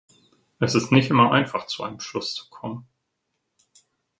Es ist nicht immer einfach, zu einem Schluss zu kommen.